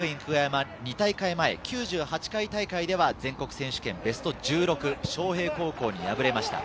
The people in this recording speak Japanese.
國學院久我山、２大会前・９８回大会では全国選手権ベスト１６、昌平高校に敗れました。